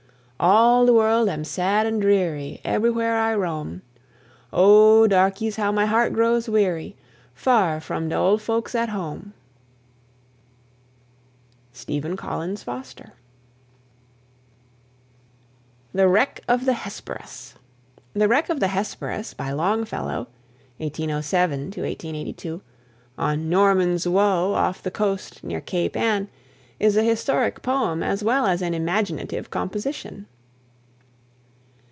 All de world am sad and dreary, Eberywhere I roam; Oh, darkeys, how my heart grows weary, Far from de old folks at home! STEPHEN COLLINS FOSTER. THE WRECK OF THE "HESPERUS." "The Wreck of the Hesperus," by Longfellow (1807 82), on "Norman's Woe," off the coast near Cape Ann, is a historic poem as well as an imaginative composition.